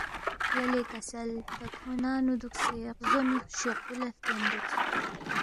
یلے کسل تا کھو ننگ نُو دُوکسے غزونی شوقبُو لہ ہلتین دُوکس